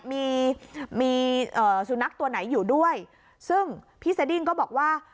มีมีสุนัขตัวไหนอยู่ด้วยซึ่งพี่สดิ้งก็บอกว่า